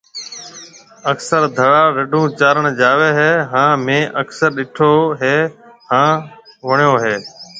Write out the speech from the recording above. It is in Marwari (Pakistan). اڪثر ڌراڙ رڍون چارڻ جاوي هي هان مينهه اڪثر ڏيٺو هي هان ۿڻيو هي